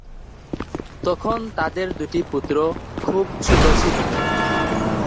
তখন তাঁদের দুটি পুত্র খুব ছোট ছিল।